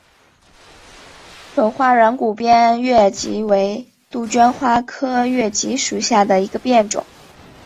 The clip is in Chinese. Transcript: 粉花软骨边越桔为杜鹃花科越桔属下的一个变种。